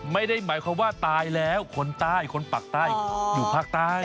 ไม่ได้หมายความว่าตายแล้วคนใต้คนปากใต้อยู่ภาคใต้